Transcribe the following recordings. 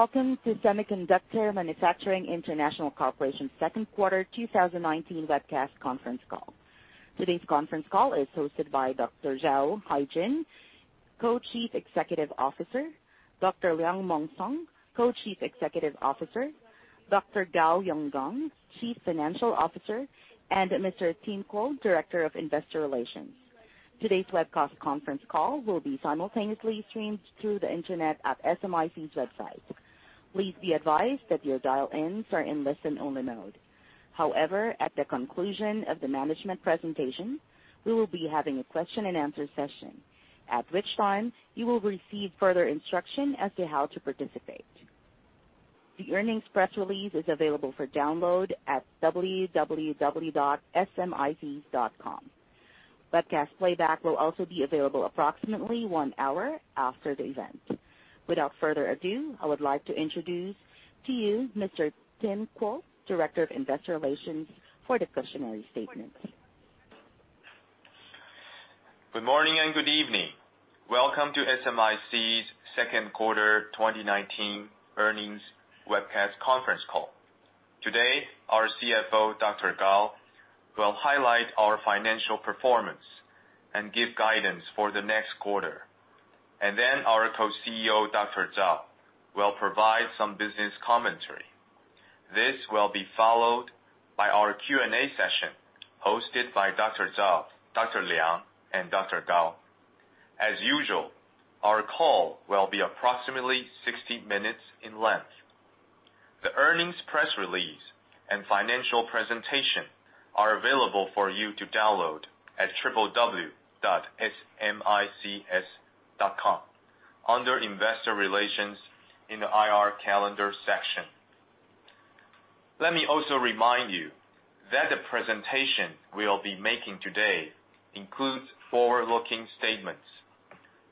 Welcome to Semiconductor Manufacturing International Corporation second quarter 2019 webcast conference call. Today's conference call is hosted by Dr. Zhao Haijun, Co-Chief Executive Officer, Dr. Liang Mong Song, Co-Chief Executive Officer, Dr. Gao Yonggang, Chief Financial Officer, and Mr. Tim Kuo, Director of Investor Relations. Today's webcast conference call will be simultaneously streamed through the internet at SMIC's website. Please be advised that your dial-ins are in listen-only mode. However, at the conclusion of the management presentation, we will be having a question and answer session, at which time you will receive further instruction as to how to participate. The earnings press release is available for download at www.smic.com. Webcast playback will also be available approximately one hour after the event. Without further ado, I would like to introduce to you Mr. Tim Kuo, Director of Investor Relations, for the cautionary statements. Good morning and good evening. Welcome to SMIC's second quarter 2019 earnings webcast conference call. Today, our CFO, Dr. Gao, will highlight our financial performance and give guidance for the next quarter, and then our Co-CEO, Dr. Zhao, will provide some business commentary. This will be followed by our Q&A session hosted by Dr. Zhao, Dr. Liang, and Dr. Gao. As usual, our call will be approximately 60 minutes in length. The earnings press release and financial presentation are available for you to download at www.smic.com under Investor Relations in the IR Calendar section. Let me also remind you that the presentation we'll be making today includes forward-looking statements.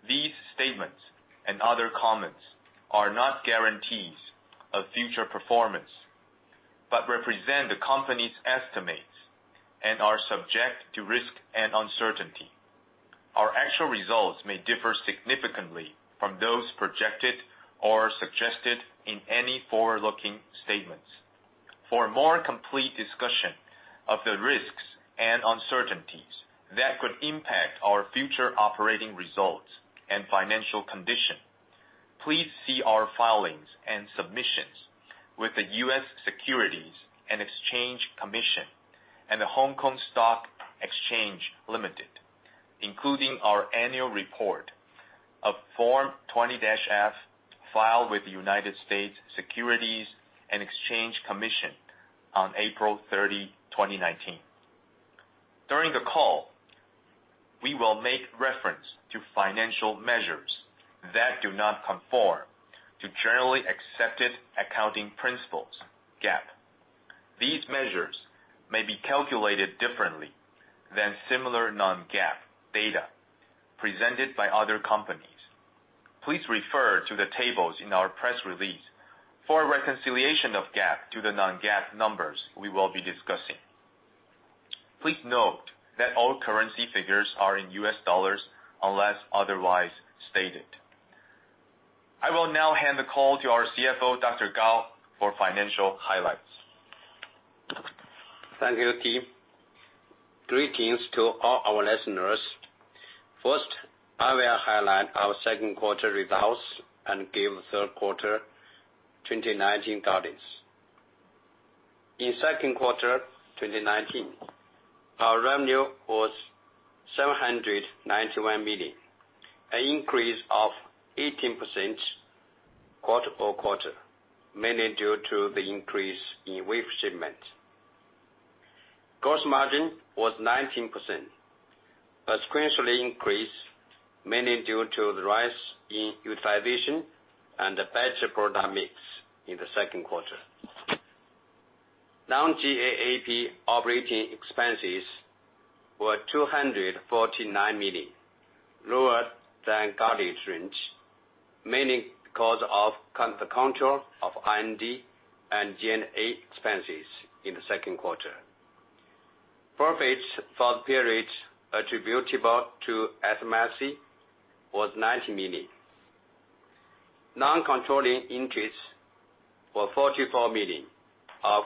These statements and other comments are not guarantees of future performance, but represent the company's estimates and are subject to risk and uncertainty. Our actual results may differ significantly from those projected or suggested in any forward-looking statements. For a more complete discussion of the risks and uncertainties that could impact our future operating results and financial condition, please see our filings and submissions with the U.S. Securities and Exchange Commission and The Stock Exchange of Hong Kong Limited, including our annual report of Form 20-F filed with the United States Securities and Exchange Commission on April 30, 2019. During the call, we will make reference to financial measures that do not conform to generally accepted accounting principles, GAAP. These measures may be calculated differently than similar non-GAAP data presented by other companies. Please refer to the tables in our press release for a reconciliation of GAAP to the non-GAAP numbers we will be discussing. Please note that all currency figures are in U.S. dollars, unless otherwise stated. I will now hand the call to our CFO, Dr. Gao, for financial highlights. Thank you, Tim. Greetings to all our listeners. First, I will highlight our second quarter results and give third quarter 2019 guidance. In second quarter 2019, our revenue was $791 million, an increase of 18% quarter-over-quarter, mainly due to the increase in wafer shipment. Gross margin was 19%, a sequential increase mainly due to the rise in utilization and the better product mix in the second quarter. Non-GAAP operating expenses were $249 million, lower than guidance range, mainly because of the control of R&D and G&A expenses in the second quarter. Profit for the period attributable to SMIC was $90 million. Non-controlling interest were $44 million of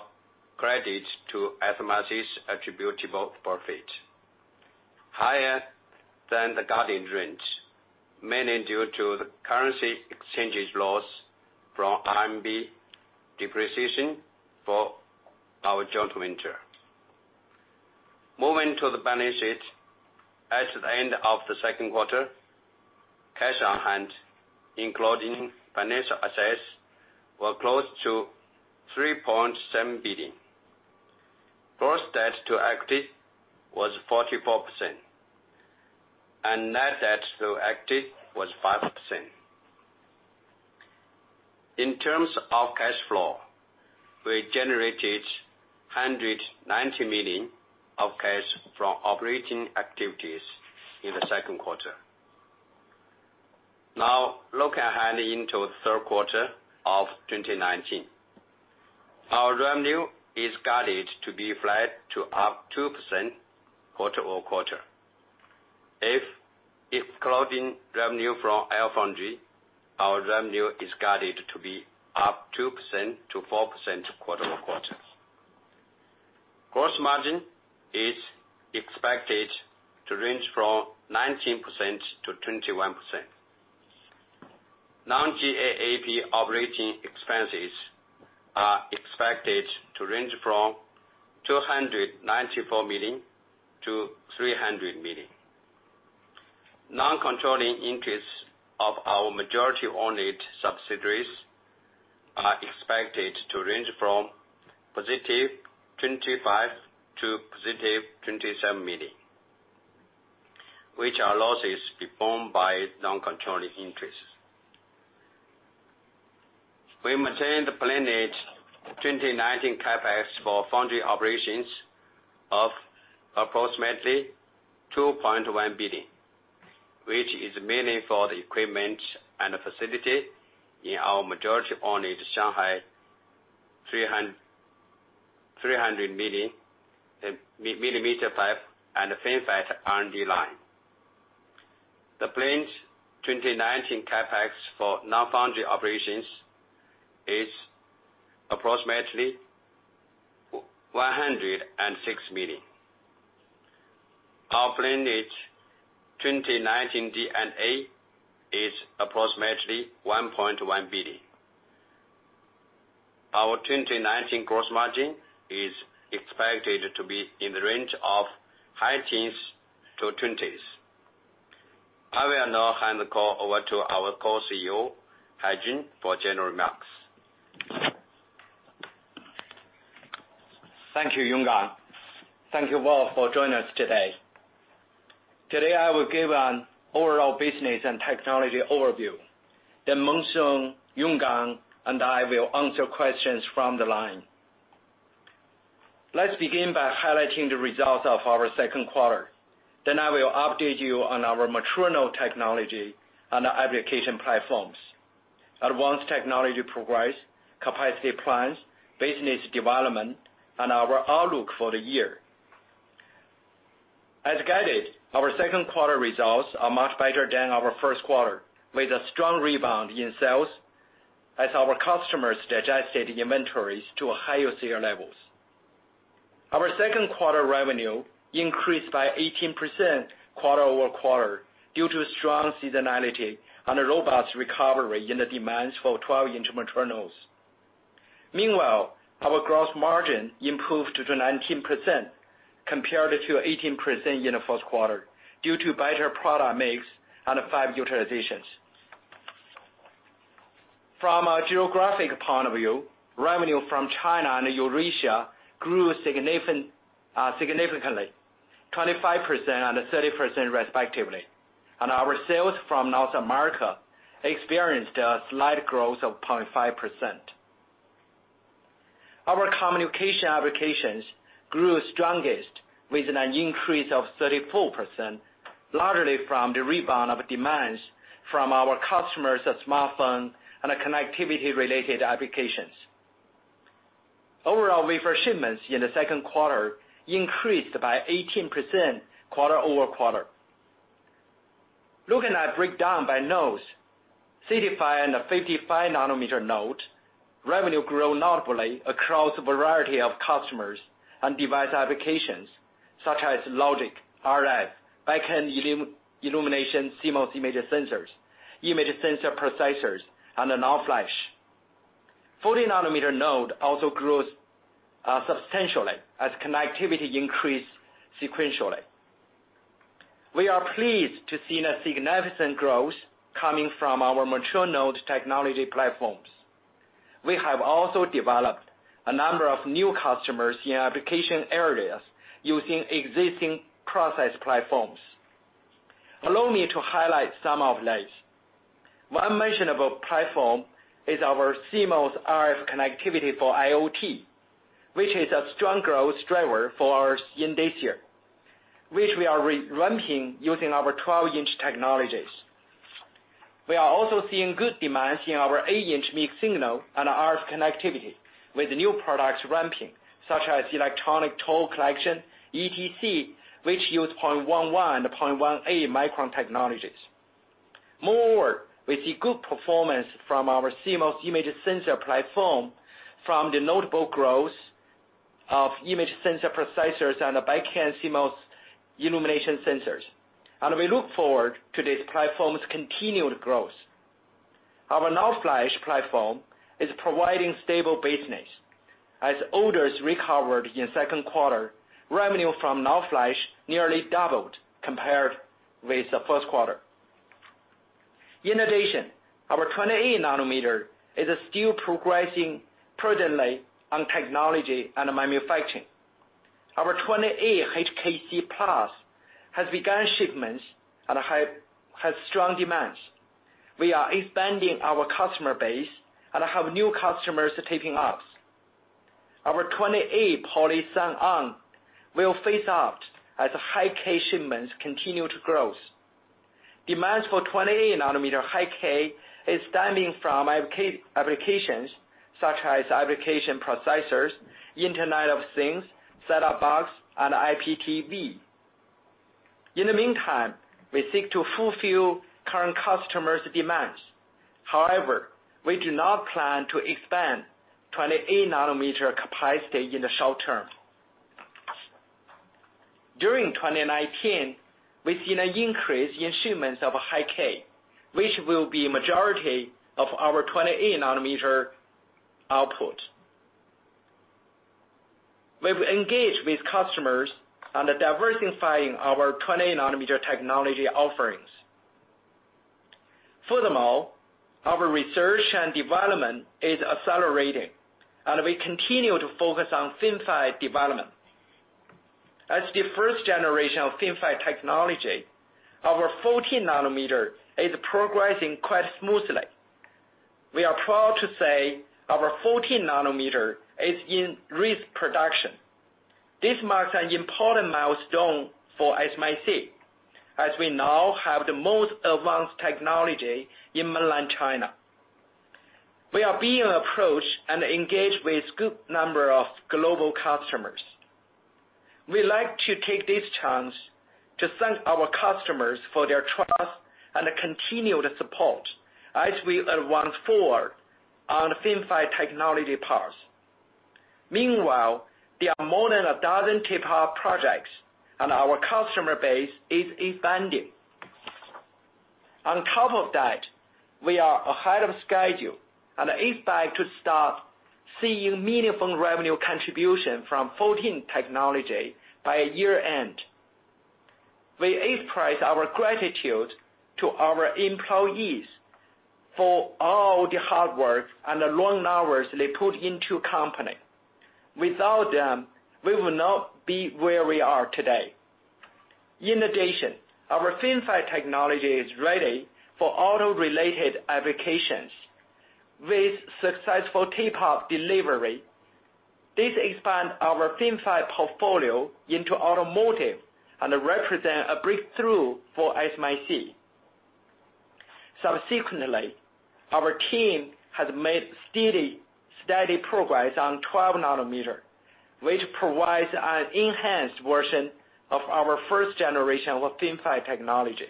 credits to SMIC's attributable profit, higher than the guidance range, mainly due to the currency exchanges loss from RMB depreciation for our joint venture. Moving to the balance sheet. At the end of the second quarter, cash on hand, including financial assets, were close to $3.7 billion. Gross debt to equity was 44%, and net debt to equity was 5%. In terms of cash flow, we generated $190 million of cash from operating activities in the second quarter. Looking ahead into the third quarter of 2019. Our revenue is guided to be flat to up 2% quarter-over-quarter. If excluding revenue from LFoundry, our revenue is guided to be up 2%-4% quarter-over-quarter. Gross margin is expected to range from 19%-21%. Non-GAAP operating expenses are expected to range from $294 million-$300 million. Non-controlling interests of our majority-owned subsidiaries are expected to range from positive $25 million-positive $27 million, which are losses performed by non-controlling interests. We maintain the planned 2019 CapEx for foundry operations of approximately $2.1 billion, which is mainly for the equipment and the facility in our majority-owned Shanghai, 300-millimeter fab and FinFET R&D line. The planned 2019 CapEx for non-foundry operations is approximately $106 million. Our planned 2019 G&A is approximately $1.1 billion. Our 2019 gross margin is expected to be in the range of high teens to twenties. I will now hand the call over to our Co-CEO, Haijun, for general remarks. Thank you, Yonggang. Thank you all for joining us today. Today, I will give an overall business and technology overview. Mong Song, Yonggang, and I will answer questions from the line. Let's begin by highlighting the results of our second quarter. I will update you on our mature node technology and application platforms, advanced technology progress, capacity plans, business development, and our outlook for the year. As guided, our second quarter results are much better than our first quarter, with a strong rebound in sales as our customers digested inventories to higher CR levels. Our second quarter revenue increased by 18% quarter-over-quarter due to strong seasonality and a robust recovery in the demands for 12-inch mature nodes. Our gross margin improved to 19% compared to 18% in the first quarter due to better product mix and fab utilizations. From a geographic point of view, revenue from China and Eurasia grew significantly, 25% and 30% respectively. Our sales from North America experienced a slight growth of 0.5%. Our communication applications grew strongest with an increase of 34%, largely from the rebound of demands from our customers of smartphone and connectivity-related applications. Overall wafer shipments in the second quarter increased by 18% quarter-over-quarter. Looking at breakdown by nodes, 35 and the 55 nanometer node revenue grew notably across a variety of customers on device applications such as logic, RF, back-end illumination, CMOS image sensors, image sensor processors, and NAND flash. 40 nanometer node also grows substantially as connectivity increased sequentially. We are pleased to see the significant growth coming from our mature node technology platforms. We have also developed a number of new customers in application areas using existing process platforms. Allow me to highlight some of these. One mentionable platform is our CMOS RF connectivity for IoT, which is a strong growth driver for us in this year, which we are re-ramping using our 12-inch technologies. We are also seeing good demands in our 8-inch mixed signal and RF connectivity with new products ramping, such as electronic toll collection, ETC, which use 0.11, 0.18 micron technologies. More, we see good performance from our CMOS image sensor platform from the notable growth of image sensor processors and the back-end CMOS illumination sensors. We look forward to this platform's continued growth. Our NAND flash platform is providing stable business. As orders recovered in second quarter, revenue from NAND flash nearly doubled compared with the first quarter. In addition, our 28 nanometer is still progressing prudently on technology and manufacturing. Our 28nm HKC+ has begun shipments and has strong demands. We are expanding our customer base and have new customers tapping us. Our 28 Poly/SiON will phase out as High-K shipments continue to grow. Demands for 28 nanometer High-K is stemming from applications such as application processors, Internet of Things, set-top box, and IPTV. In the meantime, we seek to fulfill current customers' demands. However, we do not plan to expand 28 nanometer capacity in the short term. During 2019, we've seen an increase in shipments of High-K, which will be majority of our 28 nanometer output. We've engaged with customers on diversifying our 28 nanometer technology offerings. Furthermore, our research and development is accelerating, and we continue to focus on FinFET development. As the first generation of FinFET technology, our 14 nanometer is progressing quite smoothly. We are proud to say our 14 nanometer is in risk production. This marks an important milestone for SMIC, as we now have the most advanced technology in Mainland China. We are being approached and engaged with good number of global customers. We'd like to take this chance to thank our customers for their trust and continued support as we advance forward on FinFET technology paths. There are more than a dozen tape-out projects, and our customer base is expanding. On top of that, we are ahead of schedule and expect to start seeing meaningful revenue contribution from 14 technology by year-end. We express our gratitude to our employees for all the hard work and the long hours they put into company. Without them, we would not be where we are today. Our FinFET technology is ready for auto-related applications. With successful tape-out delivery, this expands our FinFET portfolio into automotive and represent a breakthrough for SMIC. Subsequently, our team has made steady progress on 12 nanometer, which provides an enhanced version of our first generation of FinFET technology.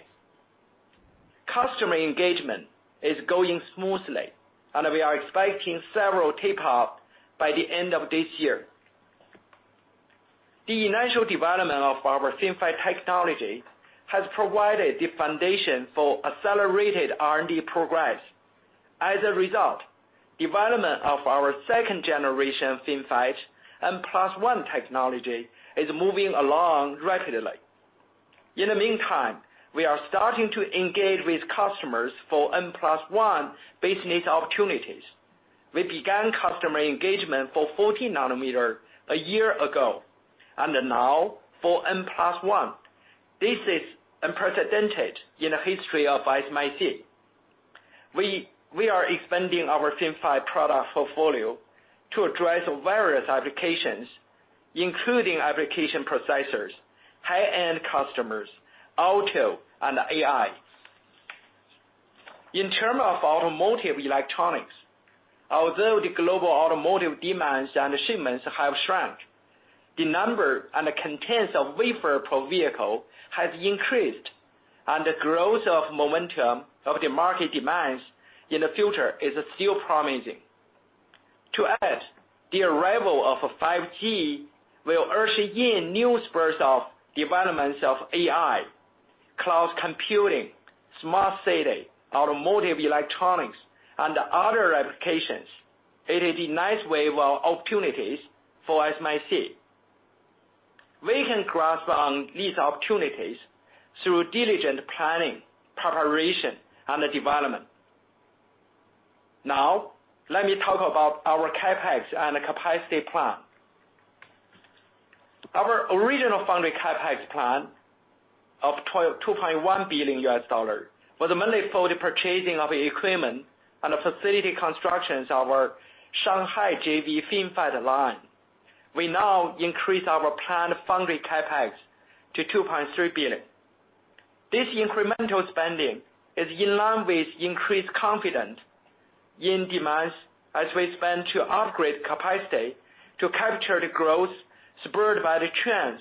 Customer engagement is going smoothly, and we are expecting several tape-out by the end of this year. The initial development of our FinFET technology has provided the foundation for accelerated R&D progress. As a result, development of our second-generation FinFET N+1 technology is moving along rapidly. In the meantime, we are starting to engage with customers for N+1 business opportunities. We began customer engagement for 14 nanometer a year ago, and now for N+1. This is unprecedented in the history of SMIC. We are expanding our FinFET product portfolio to address various applications, including application processors, high-end customers, auto, and AI. In term of automotive electronics, although the global automotive demands and the shipments have shrunk, the number and the contents of wafer per vehicle has increased, and the growth of momentum of the market demands in the future is still promising. The arrival of 5G will usher in new spurs of developments of AI, cloud computing, smart city, automotive electronics, and other applications. It is a nice wave of opportunities for SMIC. We can grasp on these opportunities through diligent planning, preparation, and development. Let me talk about our CapEx and capacity plan. Our original foundry CapEx plan of $2.1 billion was mainly for the purchasing of equipment and the facility constructions of our Shanghai JV FinFET line. We now increase our planned foundry CapEx to $2.3 billion. This incremental spending is in line with increased confidence in demands as we expand to upgrade capacity to capture the growth spurred by the trends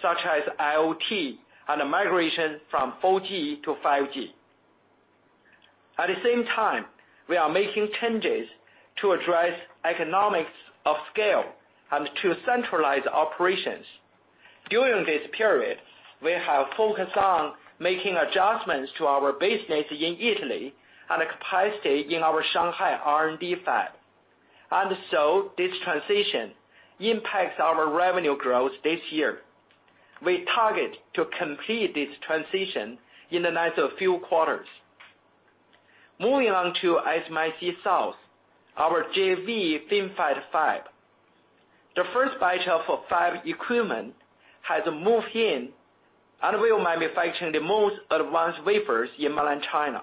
such as IoT and the migration from 4G to 5G. At the same time, we are making changes to address economies of scale and to centralize operations. This transition impacts our revenue growth this year. We target to complete this transition in the next few quarters. Moving on to SMIC South, our JV FinFET fab. The first batch of fab equipment has moved in and we are manufacturing the most advanced wafers in Mainland China.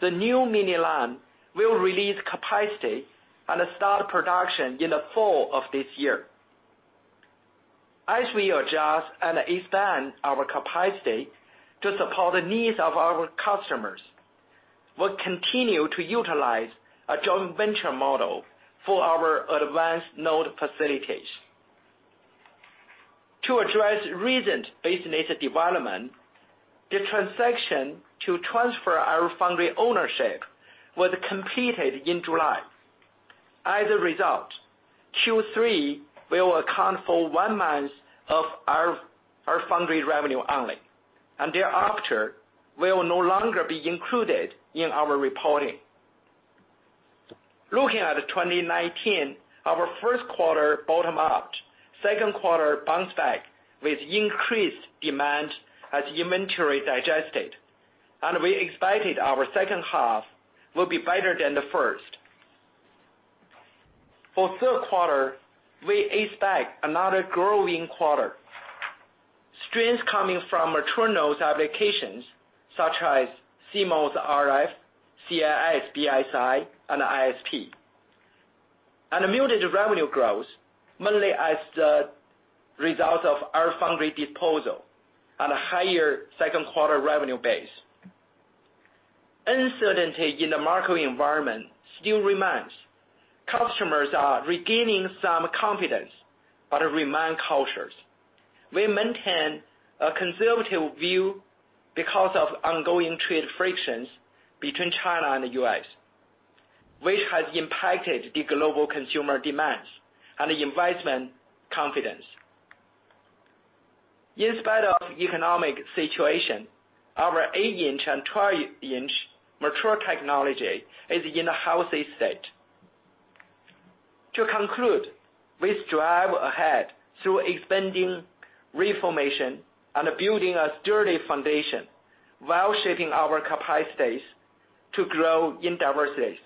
The new mini line will release capacity and start production in the fall of this year. As we adjust and expand our capacity to support the needs of our customers, we'll continue to utilize a joint venture model for our advanced node facilities. To address recent business development, the transaction to transfer our foundry ownership was completed in July. As a result, Q3 will account for one month of our foundry revenue only, and thereafter, will no longer be included in our reporting. Looking at 2019, our first quarter bottomed out, second quarter bounced back with increased demand as inventory digested, and we expected our second half will be better than the first. For third quarter, we expect another growing quarter. Streams coming from mature nodes applications such as CMOS RF, CIS, BSI, and ISP. Muted revenue growth, mainly as the result of our foundry disposal and a higher second quarter revenue base. Uncertainty in the market environment still remains. Customers are regaining some confidence but remain cautious. We maintain a conservative view because of ongoing trade frictions between China and the U.S., which has impacted the global consumer demands and investment confidence. In spite of economic situation, our eight-inch and 12-inch mature technology is in a healthy state. To conclude, we strive ahead through expanding reformation and building a sturdy foundation while shaping our capacities to grow in diversity.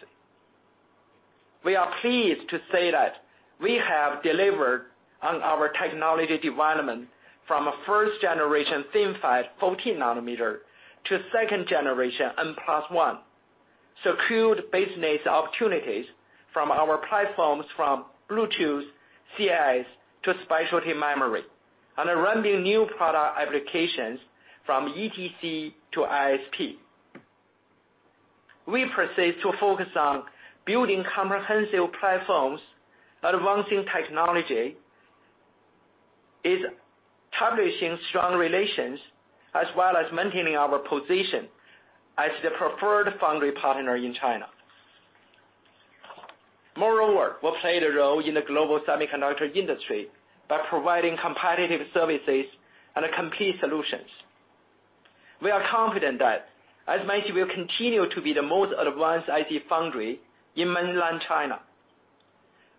We are pleased to say that we have delivered on our technology development from a first generation FinFET 14 nanometer to second generation N+1, secured business opportunities from our platforms from Bluetooth, CIS, to specialty memory, and are ramping new product applications from ETC to ISP. We persist to focus on building comprehensive platforms, advancing technology, establishing strong relations, as well as maintaining our position as the preferred foundry partner in China. We'll play the role in the global semiconductor industry by providing competitive services and complete solutions. We are confident that SMIC will continue to be the most advanced IC foundry in mainland China.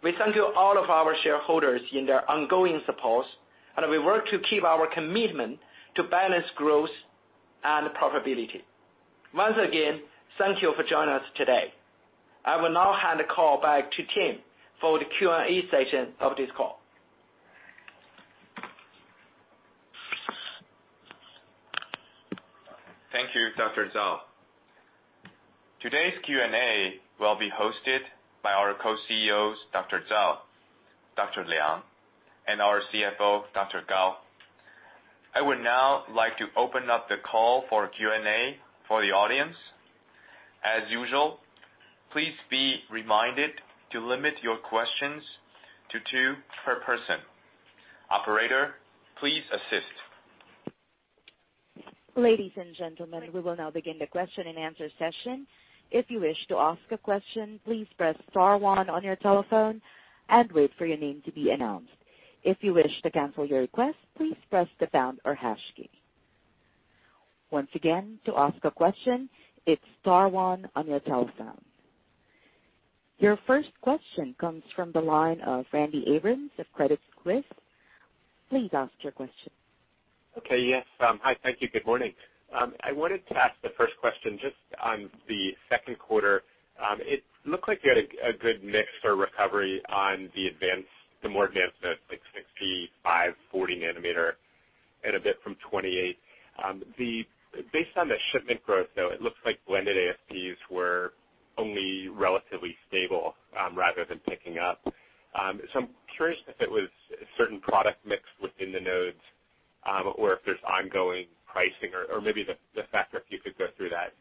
We thank you, all of our shareholders, in their ongoing support, and we work to keep our commitment to balance growth and profitability. Once again, thank you for joining us today. I will now hand the call back to Tim for the Q&A session of this call. Thank you, Dr. Zhao. Today's Q&A will be hosted by our co-CEOs, Dr. Zhao, Dr. Liang, and our CFO, Dr. Gao. I would now like to open up the call for Q&A for the audience. As usual, please be reminded to limit your questions to two per person. Operator, please assist. Ladies and gentlemen, we will now begin the question and answer session. If you wish to ask a question, please press star one on your telephone and wait for your name to be announced. If you wish to cancel your request, please press the pound or hash key. Once again, to ask a question, it is star one on your telephone. Your first question comes from the line of Randy Abrams of Credit Suisse. Please ask your question. Okay. Yes. Hi. Thank you. Good morning. I wanted to ask the first question just on the second quarter. It looked like you had a good mix or recovery on the more advanced node, like 65, 40 nanometer, and a bit from 28. Based on the shipment growth, though, it looks like blended ASPs were only relatively stable, rather than picking up. I'm curious if it was a certain product mix within the nodes, or if there's ongoing pricing or maybe the factor, if you could go through that.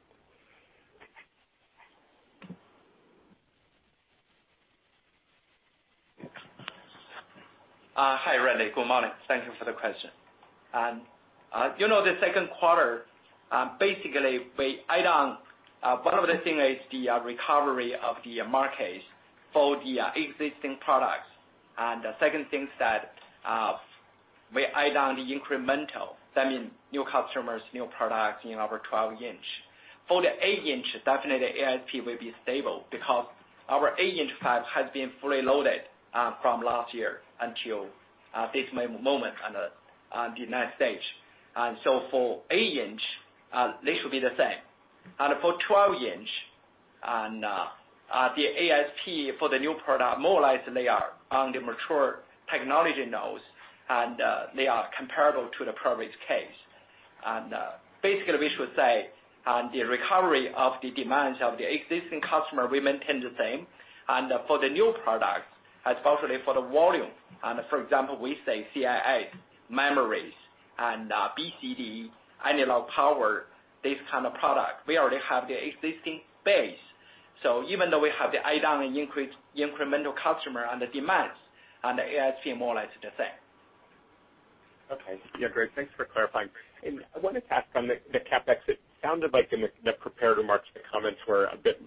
Hi, Randy. Good morning. Thank you for the question. You know, the second quarter, basically, one of the things is the recovery of the market for the existing products. The second thing is that we add on the incremental. That means new customers, new products in our 12-inch. For the 8-inch, definitely ASP will be stable because our 8-inch fab has been fully loaded from last year until this very moment on the U.S. For 8-inch, this should be the same. For 12-inch, the ASP for the new product, more or less they are on the mature technology nodes, and they are comparable to the previous case. Basically, we should say, the recovery of the demands of the existing customer remain the same. For the new products, especially for the volume, for example, we say CIS, memories, and BCD, analog power, this kind of product. We already have the existing base. Even though we have the add-on and incremental customer on the demands, it seem more or less the same. Okay. Yeah, great. Thanks for clarifying. I wanted to ask on the CapEx, it sounded like in the prepared remarks, the comments were a bit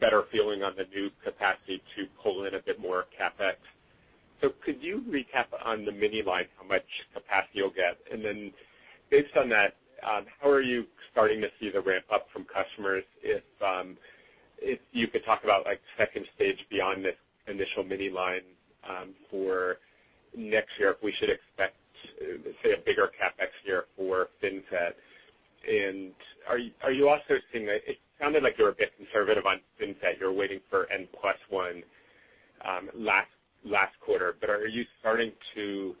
better feeling on the new capacity to pull in a bit more CapEx. Could you recap on the mini-line how much capacity you'll get? Then based on that, how are you starting to see the ramp-up from customers, if you could talk about second stage beyond this initial mini-line for next year, if we should expect, let's say, a bigger CapEx year for FinFET. Are you also seeing, it sounded like you were a bit conservative on FinFET. You were waiting for N+1 last quarter. Are you starting to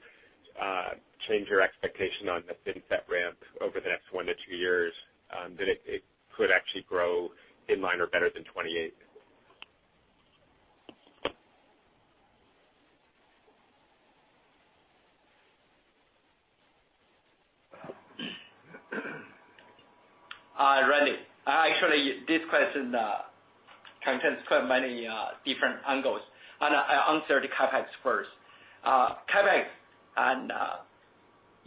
change your expectation on the FinFET ramp over the next one to two years, that it could actually grow in line or better than 28? Randy, actually, this question contains quite many different angles. I answer the CapEx first. CapEx,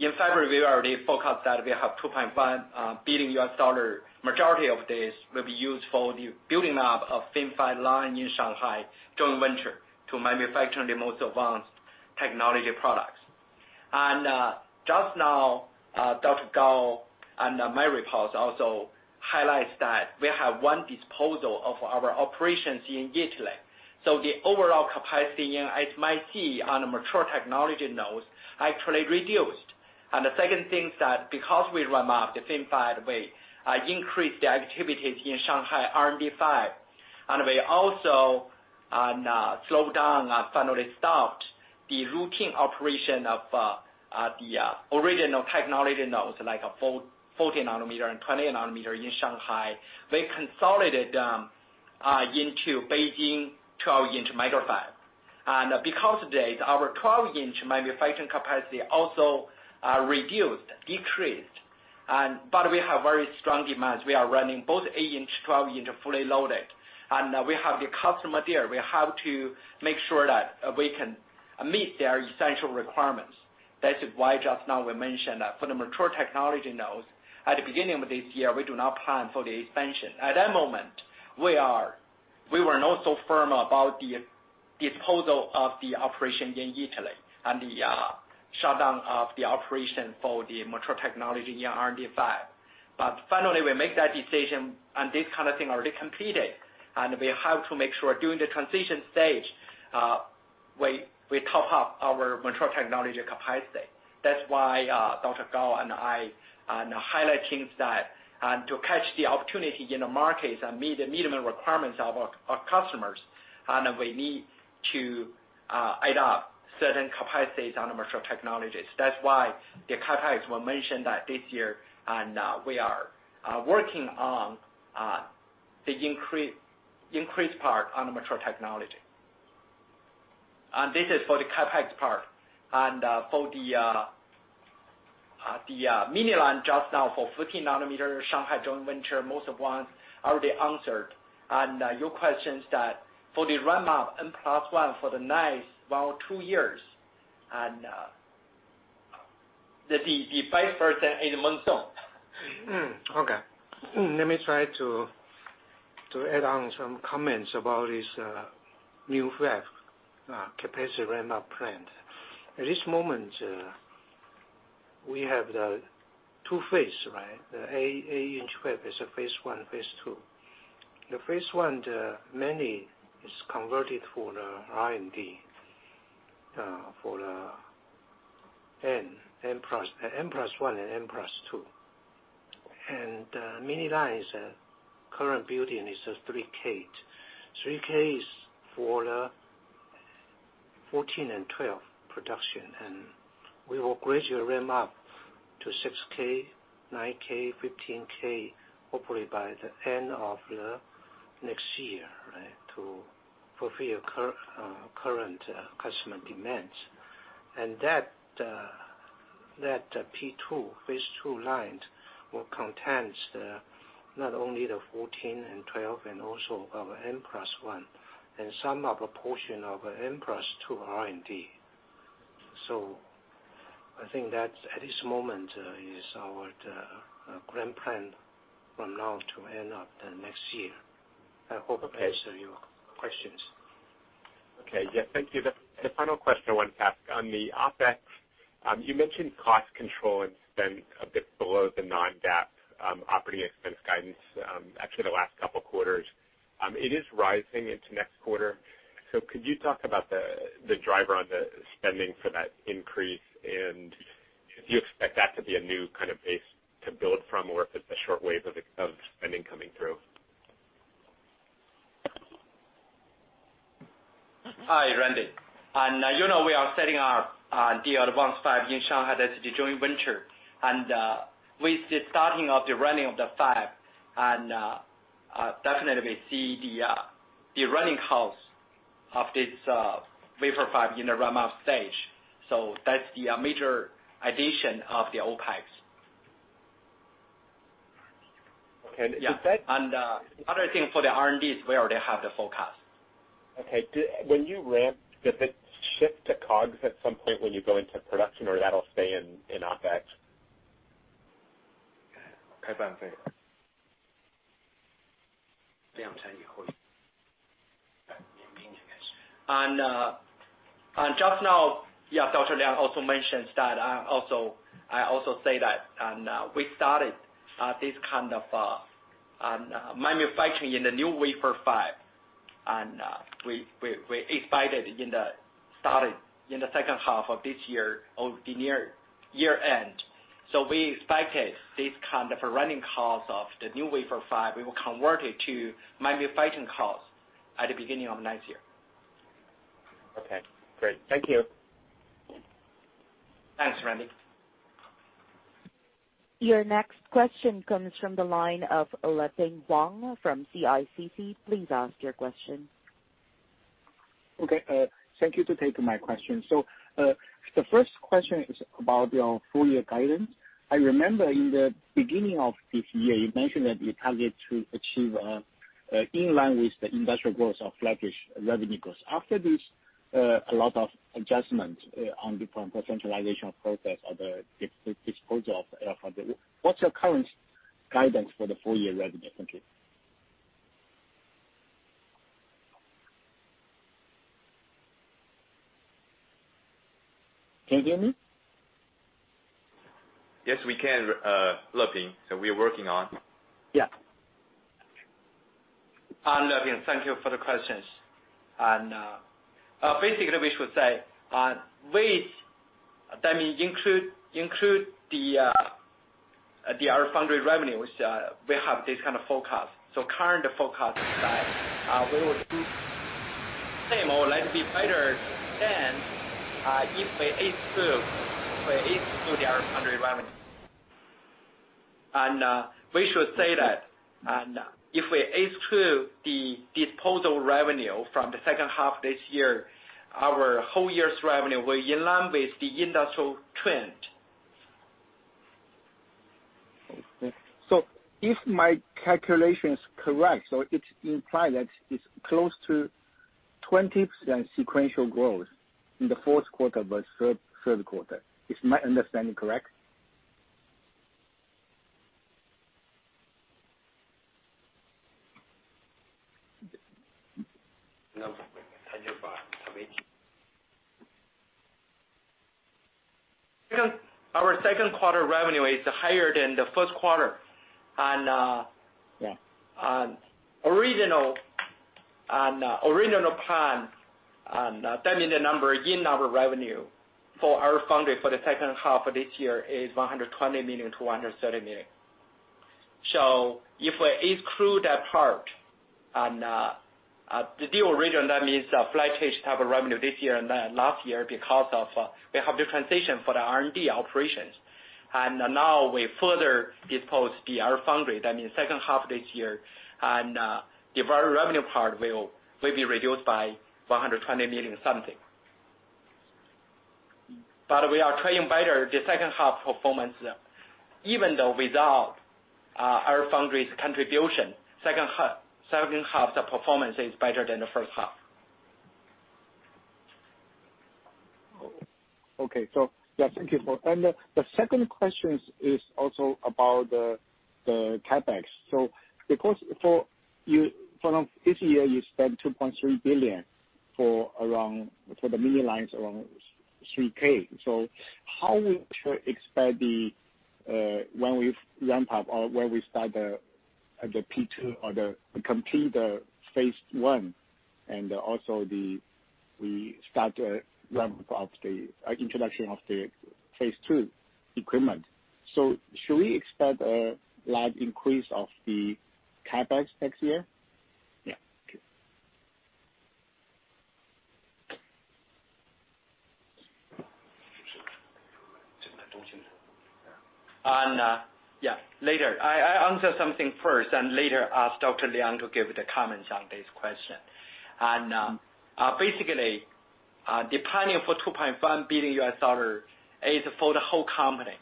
in February, we already forecast that we have $2.1 billion. Majority of this will be used for the building up of FinFET line in Shanghai joint venture to manufacture the most advanced technology products. Just now, Dr. Gao and my reports also highlights that we have one disposal of our operations in Italy. The overall capacity in SMIC on a mature technology nodes actually reduced. The second thing is that because we ramp up the FinFET, we increased the activities in Shanghai R&D Fab, and we also slowed down and finally stopped the routine operation of the original technology nodes, like a 14 nanometer and 20 nm in Shanghai. We consolidated them into Beijing 12-inch Mega Fab. Because of this, our 12-inch manufacturing capacity also reduced, decreased. We have very strong demands. We are running both 8-inch, 12-inch fully loaded. We have the customer there. We have to make sure that we can meet their essential requirements. That is why just now we mentioned that for the mature technology nodes, at the beginning of this year, we do not plan for the expansion. At that moment, we were not so firm about the disposal of the operation in Italy and the shutdown of the operation for the mature technology in R&D Fab. Finally, we make that decision and this kind of thing already completed, and we have to make sure during the transition stage, we top up our mature technology capacity. That's why Dr. Gao and I are highlighting that to catch the opportunity in the markets and meet the minimum requirements of our customers, we need to add up certain capacities on the mature technologies. That's why the CapEx were mentioned that this year, we are working on the increased part on the mature technology. This is for the CapEx part. For the 15 nanometer Shanghai joint venture, most of ones already answered. Your questions that for the ramp-up N+1 for the next one or two years, and the 5% in Mong Song. Okay. Let me try to add on some comments about this new fab capacity ramp-up plan. At this moment, we have the two phase, right? The 8-inch fab is a phase 1, phase 2. The phase 1, the mainly is converted for the R&D, for the N+1, and N+2. Mini-line is current building is a 3K. 3K is for the 14 and 12 production, we will gradually ramp up to 6K, 9K, 15K, hopefully by the end of the next year to fulfill current customer demands. That P2, phase 2 lines, will contains not only the 14 and 12 and also our N+1, and some of a portion of N+2 R&D. I think that at this moment is our grand plan from now to end of the next year. I hope I answer your questions. Okay. Yeah. Thank you. The final question I wanted to ask. On the OpEx, you mentioned cost control and spend a bit below the non-GAAP operating expense guidance, actually the last couple of quarters. It is rising into next quarter. Could you talk about the driver on the spending for that increase, and if you expect that to be a new kind of base to build from or if it's a short wave of spending coming through? Hi, Randy. You know we are setting our D advanced fab in Shanghai that is the joint venture. With the starting of the running of the fab, and definitely we see the running costs of this wafer fab in the ramp-up stage. That's the major addition of the OPEX. Okay. Is that- Yeah. Other thing for the R&D is we already have the forecast. Okay. When you ramp, does it shift to COGS at some point when you go into production, or that'll stay in OPEX? Just now, yeah, Dr. Liang also mentions that, I also say that, and we started this kind of manufacturing in the new wafer fab. We expected starting in the second half of this year or the near year-end. We expected this kind of running cost of the new wafer fab, we will convert it to manufacturing costs at the beginning of next year. Okay, great. Thank you. Thanks, Randy. Your next question comes from the line of Leping Huang from CICC. Please ask your question. Thank you to take my question. The first question is about your full year guidance. I remember in the beginning of this year, you mentioned that you target to achieve in line with the industrial growth of flatish revenue growth. After this, a lot of adjustment on different centralization process or the disposal of LFoundry. What's your current guidance for the full year revenue? Thank you. Can you hear me? Yes, we can, Leping. We are working on. Yeah. Leping, thank you for the questions. basically, we should say That means include the other foundry revenue, which we have this kind of forecast. Current forecast is that we will do same or likely be better than, if we exclude the other foundry revenue. We should say that if we exclude the disposal revenue from the second half this year, our whole year's revenue will be in line with the industrial trend. Okay. If my calculation is correct, so it imply that it's close to 20% sequential growth in the fourth quarter versus third quarter. Is my understanding correct? Our second quarter revenue is higher than the first quarter. Yeah on original plan, that mean the number, unit number revenue for our foundry for the second half of this year is $120 million-$130 million. If we exclude that part, and the original, that means a flattish type of revenue this year and last year because of we have the transition for the R&D operations. Now we further dispose the other foundry, that means second half of this year. The revenue part will be reduced by $120 million something. We are trading better the second half performance. Even though without our foundry's contribution, second half the performance is better than the first half. Okay. The second question is also about the CapEx. Because for this year, you spent $2.3 billion for the mini lines around 3K. How we should expect when we ramp up or when we start the P2 or complete the phase one and also we start the introduction of the phase two equipment. Should we expect a large increase of the CapEx next year? Yeah. Okay. Yeah. Later. I answer something first, and later ask Dr. Liang to give the comments on this question. Basically, the planning for $2.1 billion is for the whole company.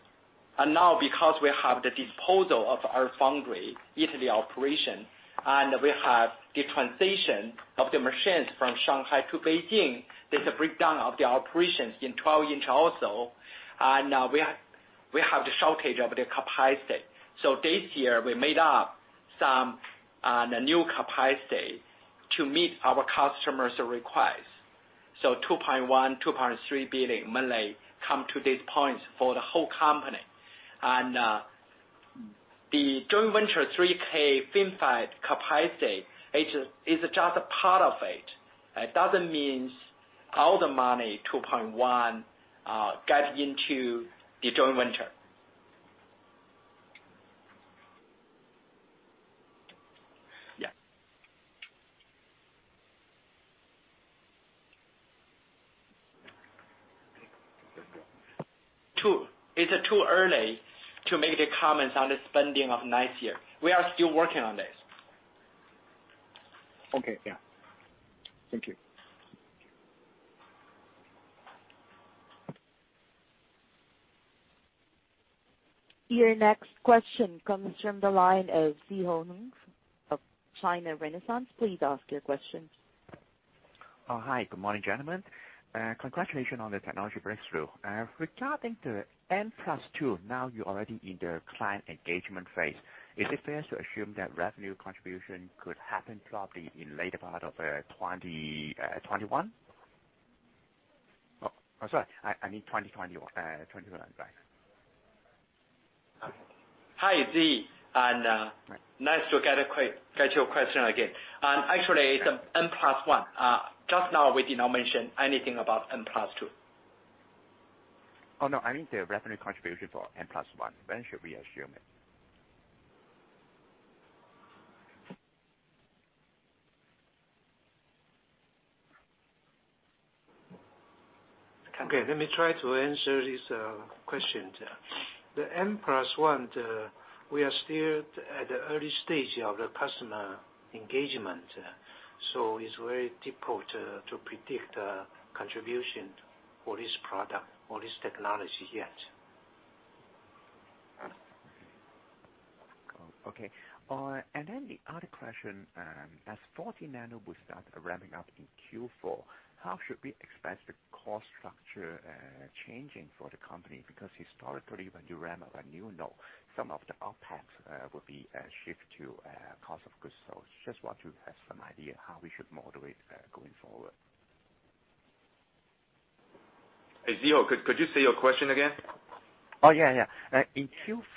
Now because we have the disposal of our foundry, LFoundry operation, and we have the transition of the machines from Shanghai to Beijing, there's a breakdown of the operations in 12-inch also. We have the shortage of the capacity. This year, we made up some new capacity to meet our customers' requests. $2.1 billion-$2.3 billion mainly come to this point for the whole company. The joint venture 3K FinFET capacity is just a part of it. It doesn't mean all the money, $2.1 billion, get into the joint venture. Yeah. Too. It's too early to make the comments on the spending of next year. We are still working on this. Okay, yeah. Thank you. Your next question comes from the line of Zhihong Ning of China Renaissance. Please ask your question. Hi. Congratulations on the technology breakthrough. Regarding the N+2, now you're already in the client engagement phase. Is it fair to assume that revenue contribution could happen probably in later part of 2021? I'm sorry. I mean 2021. Right. Hi, Zhi. Right. Nice to get your question again. Actually, it's N+1. Just now we did not mention anything about N+2. Oh, no. I mean the revenue contribution for N+1, when should we assume it? Okay, let me try to answer this question. The N+1, we are still at the early stage of the customer engagement. It's very difficult to predict the contribution for this product or this technology yet. Oh, okay. The other question, as 14 nano will start ramping up in Q4, how should we expect the cost structure changing for the company? Because historically, when you ramp a new node, some of the OPEX will be shift to cost of goods sold. I just want to have some idea how we should model it going forward. Zhihong, could you say your question again? Oh, yeah. In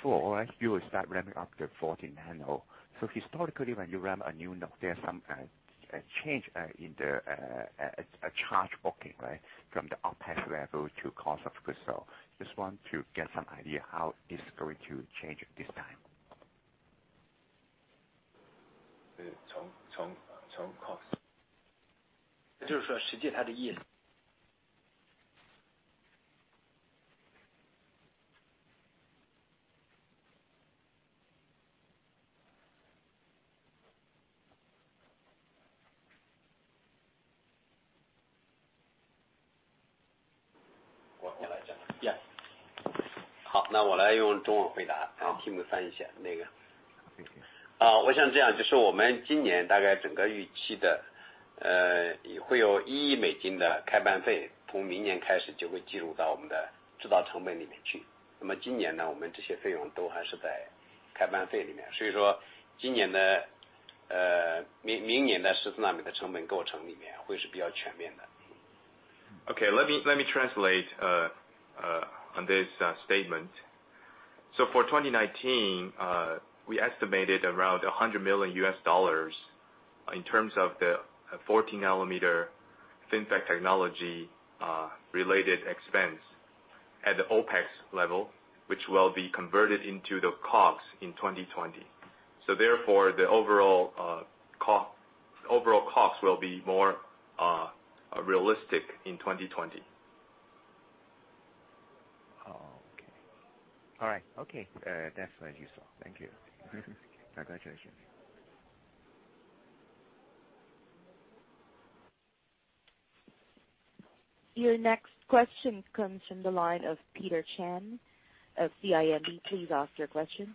Q4, you will start ramping up the 14 nano. Historically, when you ramp a new node, there's some change in the charge booking, right? From the OPEX level to cost of goods sold. Just want to get some idea how it's going to change this time. From cost. Yeah. Thank you. Okay, let me translate on this statement. For 2019, we estimated around $100 million in terms of the 14 nanometer FinFET technology related expense at the OPEX level, which will be converted into the COGS in 2020. Therefore, the overall cost will be more realistic in 2020. Oh, okay. All right. Okay. That's useful. Thank you. Congratulations. Your next question comes from the line of Peter Chen of CIMB. Please ask your question.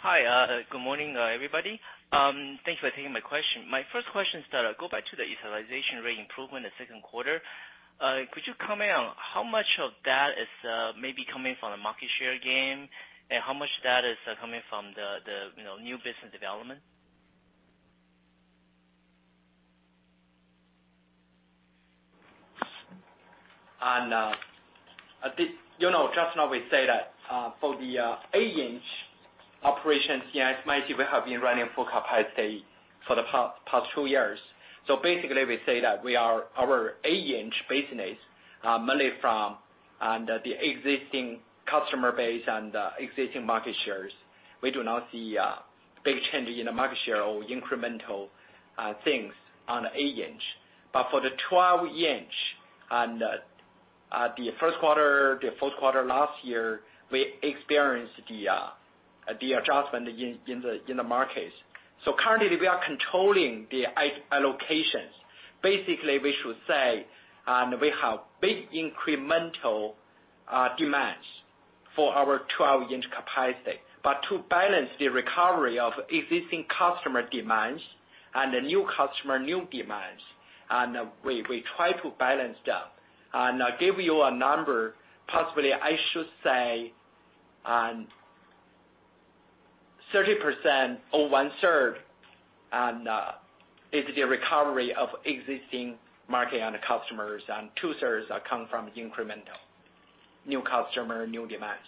Hi, good morning, everybody. Thanks for taking my question. My first question is that I go back to the utilization rate improvement at second quarter. Could you comment on how much of that is maybe coming from the market share gain, and how much of that is coming from the new business development? Just now we say that, for the 8-inch operations here at SMIC, we have been running full capacity for the past two years. Basically, we say that our 8-inch business, mainly from under the existing customer base and existing market shares. We do not see a big change in the market share or incremental things on the 8-inch. For the 12-inch, at the first quarter last year, we experienced the adjustment in the markets. Currently, we are controlling the allocations. Basically, we should say, we have big incremental demands for our 12-inch capacity. To balance the recovery of existing customer demands and the new customer new demands, and we try to balance them. I give you a number, possibly, I should say, 30% or one-third is the recovery of existing market and customers, and two-thirds come from the incremental new customer, new demands.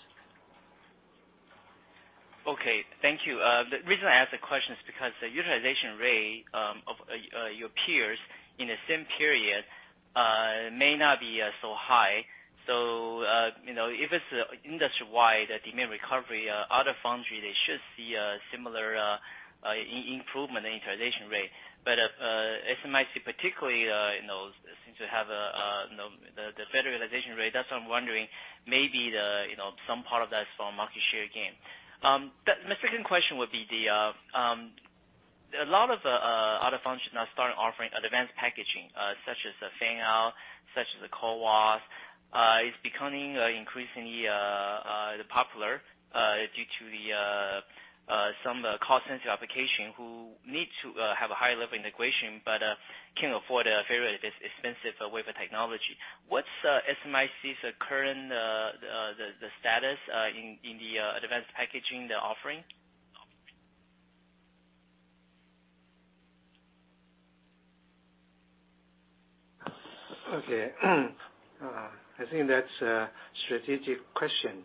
Okay. Thank you. The reason I ask the question is because the utilization rate of your peers in the same period may not be so high. If it's industry-wide, the demand recovery, other foundry, they should see a similar improvement in utilization rate. SMIC particularly seems to have the better realization rate. That's why I'm wondering, maybe some part of that is from market share gain. My second question would be, a lot of other functions now start offering advanced packaging, such as Fan-Out, such as CoWoS. It's becoming increasingly popular due to some cost-sensitive application who need to have a high level integration but can't afford a very expensive wafer technology. What's SMIC's current status in the advanced packaging they're offering? Okay. I think that's a strategic question.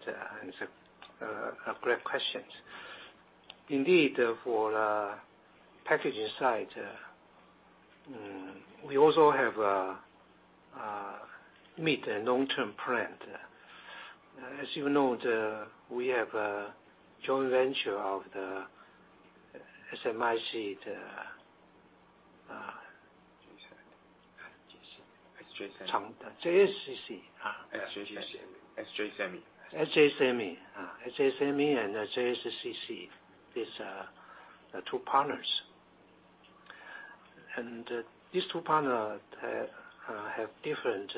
It's a great question. For the packaging side, we also have made a long-term plan. As you know, we have a joint venture of the SMIC. SJ Semiconductor. JCET. SJ Semiconductor. SJ Semiconductor and JCET is our two partners. These two partners have different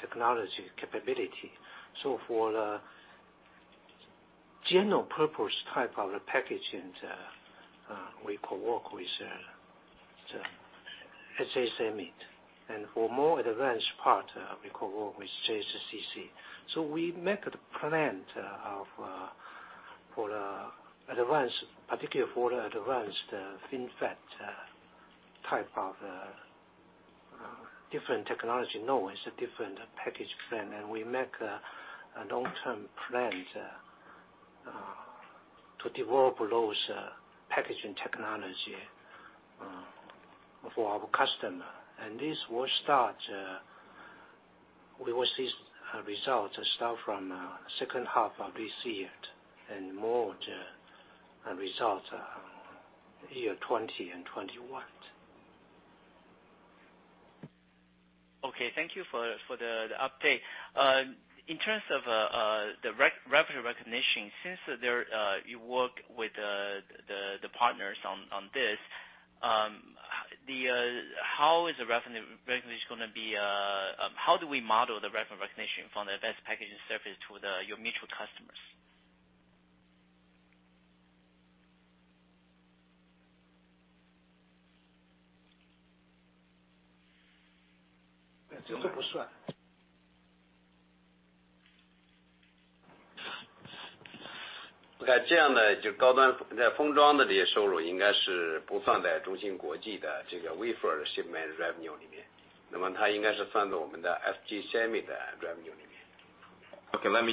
technology capability. For the general purpose type of the packaging, we co-work with SJ Semiconductor. For more advanced part, we co-work with JCET. We make the plan, particularly for the advanced Fan-Out type of different technology. Now it's a different package plan, and we make a long-term plan to develop those packaging technology for our customer. This will start, we will see results start from second half of this year, and more results year 2020 and 2021. Okay, thank you for the update. In terms of the revenue recognition, since you work with the partners on this, how is the revenue recognition going to be? How do we model the revenue recognition from the advanced packaging service to your mutual customers? Okay, let me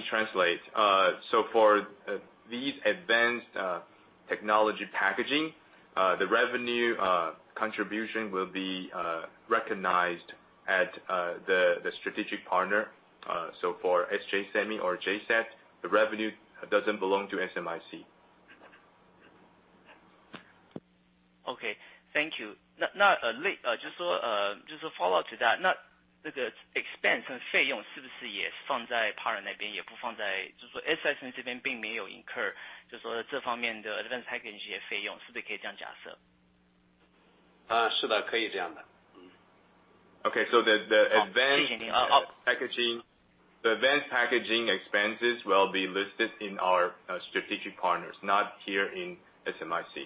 translate. For these advanced technology packaging, the revenue contribution will be recognized at the strategic partner. For SJ Semiconductor or JCET, the revenue doesn't belong to SMIC. Okay, thank you. Just a follow-up to that. Okay, the advanced packaging expenses will be listed in our strategic partners, not here in SMIC.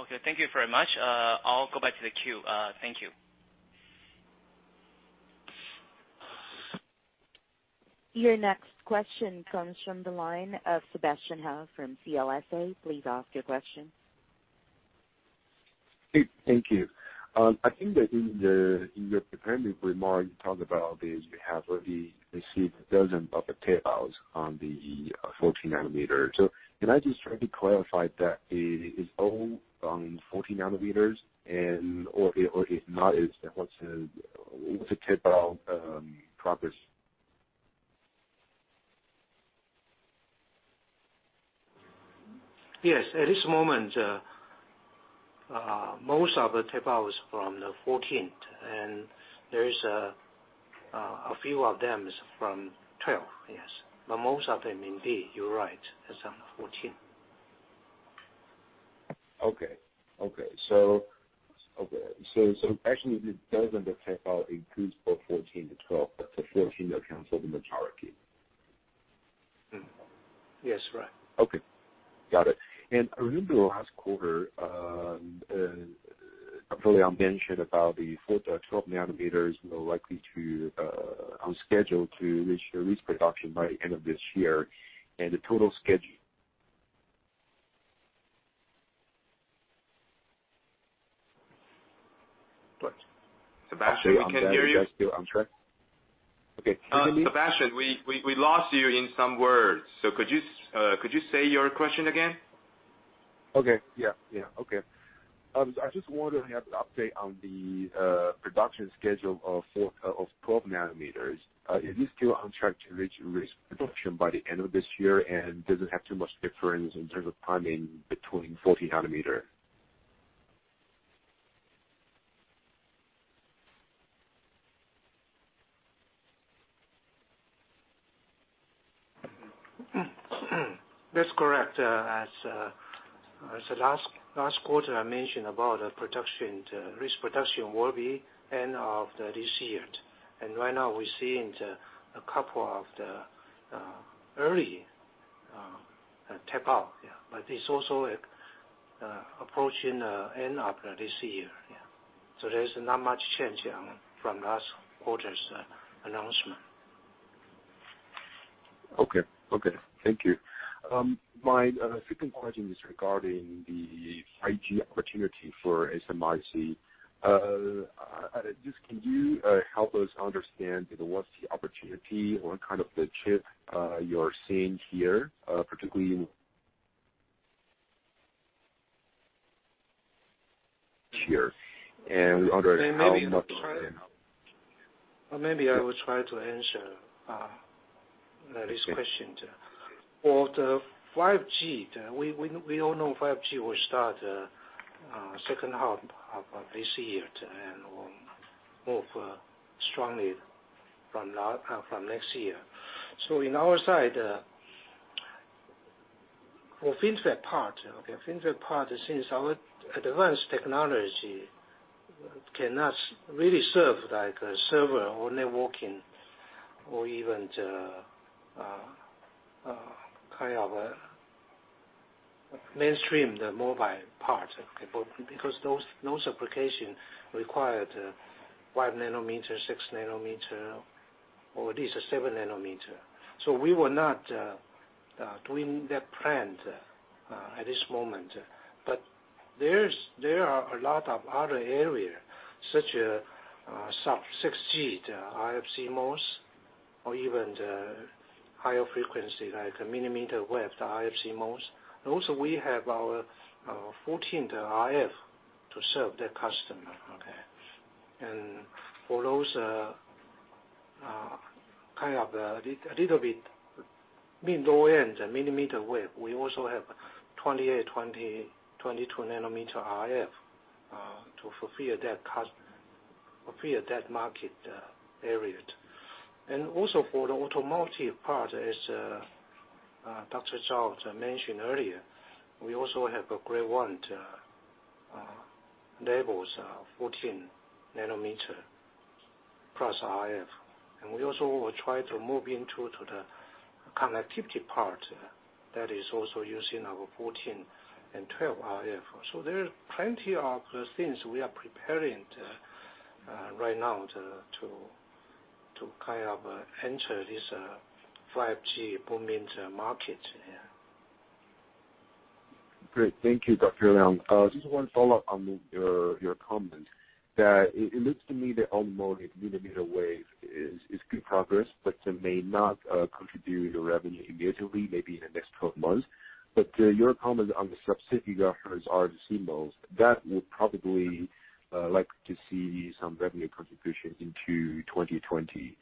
Okay, thank you very much. I'll go back to the queue. Thank you. Your next question comes from the line of Sebastian Hou from CLSA. Please ask your question. Thank you. I think that in your prepared remarks, you talked about this, you have already received dozens of the tape-outs on the 14 nanometer. Can I just try to clarify that, is all on 14 nanometers? Or if not, what's the tape-out progress? Yes, at this moment, most of the tape-out is from the 14, and there is a few of them is from 12, yes. Most of them, indeed, you're right, is on the 14. Actually, the dozens of tape-out includes both 14 and 12, but the 14 accounts for the majority? Yes, right. Okay. Got it. I remember last quarter, Dr. Liang mentioned about the 12 nanometers on schedule to reach the risk production by the end of this year, and the total schedule What? Sebastian, we can't hear you. Are you guys still on track? Okay. Sebastian, we lost you in some words. Could you say your question again? Okay. Yeah. I just want to have the update on the production schedule of 12 nanometers. Are you still on track to reach risk production by the end of this year? Does it have too much difference in terms of timing between 14 nanometer? That's correct. As last quarter, I mentioned about risk production will be end of this year. Right now, we're seeing a couple of the early tap out. It's also approaching the end of this year. There's not much change from last quarter's announcement. Okay. Thank you. My second question is regarding the 5G opportunity for SMIC. Just can you help us understand what's the opportunity or kind of the chip you're seeing here, particularly in here? I wonder how much- Maybe I will try to answer this question. For the 5G, we all know 5G will start second half of this year, and will move strongly from next year. In our side, for FinFET part, since our advanced technology cannot really serve like a server or networking or even the kind of mainstream, the mobile part. Those application required 5 nanometer, 6 nanometer or at least 7 nanometer. We were not doing that trend at this moment. There are a lot of other area, such sub-6 GHz RF CMOS or even the higher frequency, like millimeter wave, the RF CMOS. Also, we have our 14 RF to serve that customer. Okay. For those kind of a little bit mid low end and millimeter wave, we also have 28, 22 nanometer RF, to fulfill that market area. Also for the automotive part, as Dr. Zhao mentioned earlier, we also have a gray one levels of 14 nanometer plus RF. We also will try to move into the connectivity part that is also used in our 14 and 12 RF. There are plenty of things we are preparing right now to kind of enter this 5G booming market. Great. Thank you, Dr. Liang. Just one follow-up on your comment, that it looks to me that automotive millimeter wave is good progress but may not contribute to revenue immediately, maybe in the next 12 months. Your comment on the sub-6 GHz RF CMOS, that would probably like to see some revenue contribution into 2020.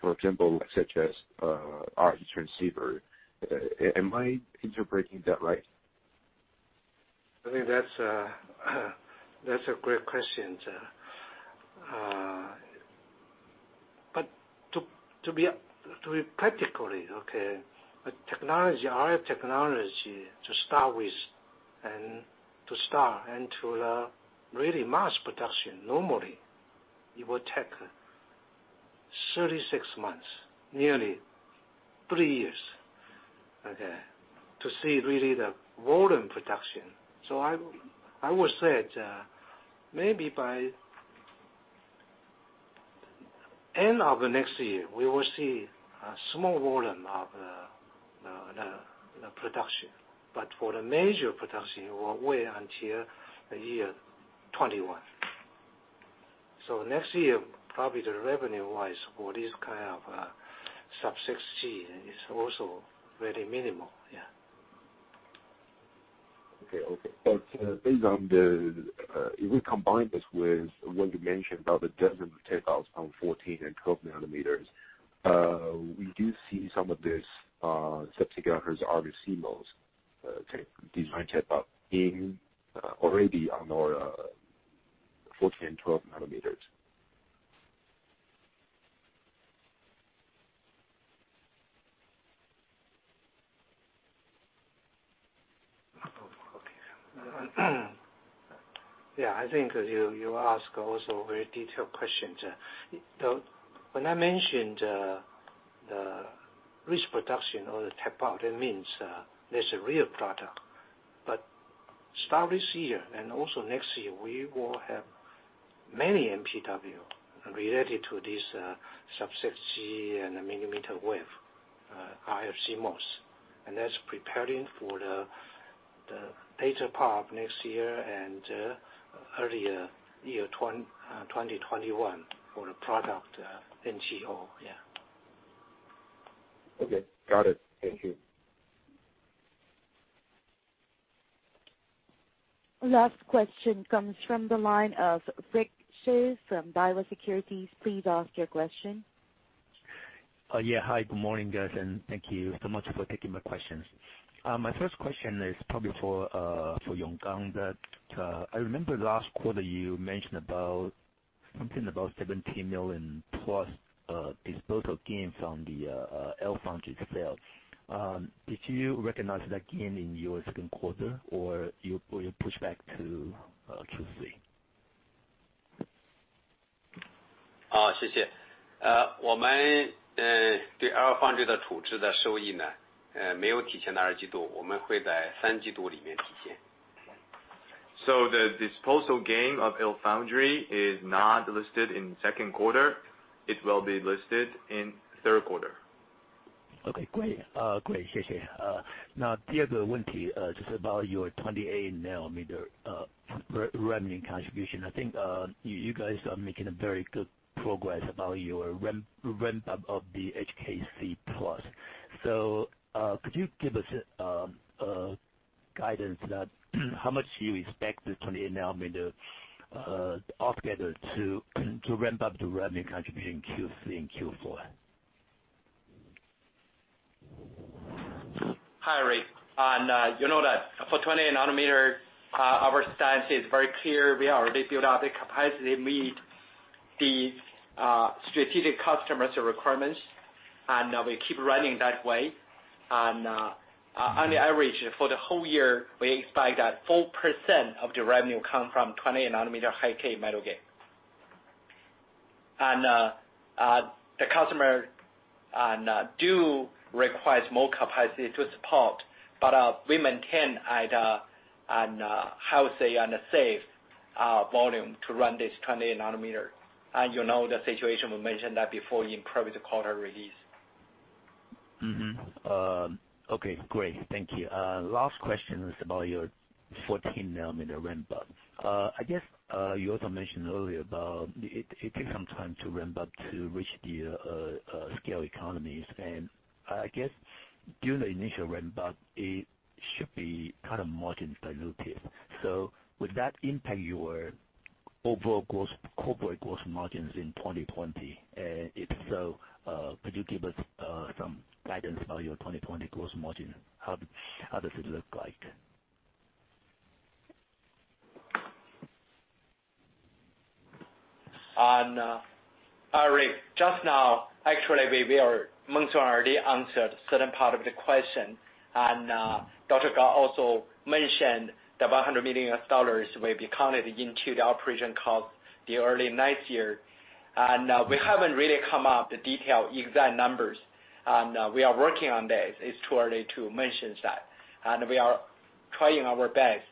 For example, such as RF transceiver. Am I interpreting that right? I think that's a great question. To be practical, RF technology to start with and to really mass production normally, it will take 36 months, nearly three years, to see really the volume production. I would say maybe by end of the next year, we will see a small volume of the production. For the major production, it will wait until the year 2021. Next year, probably the revenue-wise for this kind of sub-6 G is also very minimal. Yeah. Okay. Based on the If we combine this with what you mentioned about the 12 of tape-outs on 14 and 12 nanometers, we do see some of this sub-6 GHz RF CMOS design tape-out in already on our 14, 12 nanometers. Okay. Yeah, I think you ask also very detailed questions. When I mentioned the risk production or the tape-out, it means there's a real product. Start this year and also next year, we will have many MPW related to this sub-6 GHz and millimeter wave RFCMOS. That's preparing for the data part next year and earlier year 2021 for the product NGO. Yeah. Okay. Got it. Thank you. Last question comes from the line of Rick Hsu from Daiwa Securities. Please ask your question. Hi. Good morning, guys, thank you so much for taking my questions. My first question is probably for Yonggang that I remember last quarter you mentioned about something about $17 million plus disposal gains from the LFoundry itself. Did you recognize that gain in your second quarter, or you push back to Q3? The disposal gain of LFoundry is not listed in second quarter. It will be listed in third quarter. Okay, great. The other one is about your 28 nanometer revenue contribution. I think you guys are making a very good progress about your ramp-up of the HKC+. Could you give us a guidance that how much you expect the 28 nanometer altogether to ramp up the revenue contribution in Q3 and Q4? Hi, Rick. You know that for 20 nanometer, our stance is very clear. We already built out the capacity to meet the strategic customers' requirements, we keep running that way. On the average for the whole year, we expect that 4% of the revenue come from 20 nanometer high-K metal gate. The customer do requires more capacity to support. We maintain at a, how say, on a safe volume to run this 20 nanometer, and you know the situation we mentioned that before in previous quarter release. Okay, great. Thank you. Last question is about your 14 nanometer ramp-up. I guess, you also mentioned earlier about it takes some time to ramp up to reach the scale economies, and I guess during the initial ramp-up, it should be kind of margin dilutive. Would that impact your overall corporate gross margins in 2020? If so, could you give us some guidance about your 2020 gross margin? How does it look like? Rick, just now, actually, Liang Mong-Song already answered certain part of the question. Dr. Gao also mentioned that $100 million will be counted into the operation cost the early next year. We haven't really come up with the detailed exact numbers. We are working on this. It's too early to mention that. We are trying our best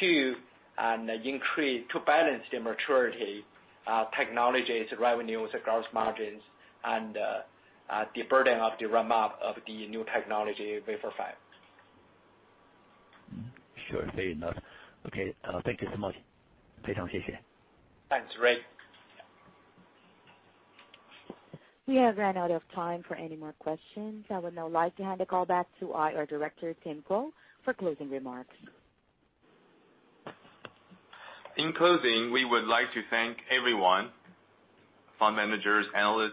to balance the maturity of technologies, revenues, gross margins and the burden of the ramp-up of the new technology wafer fab. Sure. Fair enough. Okay. Thank you so much. Thanks, Rick. We have run out of time for any more questions. I would now like to hand the call back to IR Director, Tim Kuo, for closing remarks. In closing, we would like to thank everyone, fund managers, analysts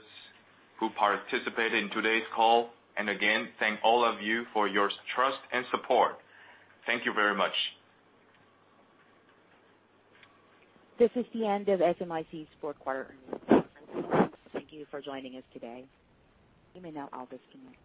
who participated in today's call. Again, thank all of you for your trust and support. Thank you very much. This is the end of SMIC's fourth quarter earnings conference. Thank you for joining us today. You may now all disconnect.